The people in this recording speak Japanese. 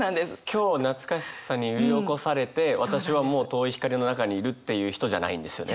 今日懐かしさに揺り起こされて私はもう遠い光の中にいるっていう人じゃないんですよね。